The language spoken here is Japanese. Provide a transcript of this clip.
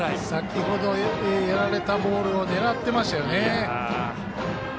先ほど、やられたボールを狙ってましたよね。